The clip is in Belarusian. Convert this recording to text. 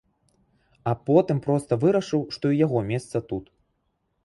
А потым проста вырашыў, што і яго месца тут.